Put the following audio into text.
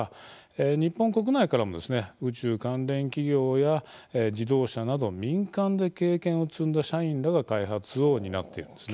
日本国内からも宇宙関連企業や自動車など民間で経験を積んだ社員らが開発を担っているんです。